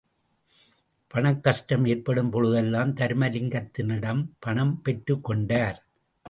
பணக் கஷ்டம் ஏற்படும் பொழுதெல்லாம், தருமலிங்கத்தினிடம் பணம் பெற்றுக் கொண்டார்.